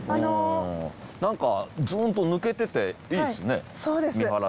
何かずーんと抜けてていいですね。